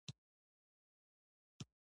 سړي هغه ونه پرې کړه.